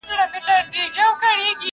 پاچا مړ وو دوى وه خلك رابللي!!